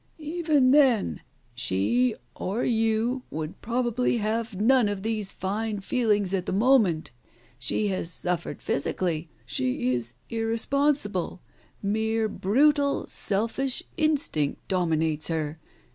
"Even then, she or you would probably have none of these fine feelings at the moment. She has suffered physically ; she is irresponsible : mere brutal selfish instinct dominates her.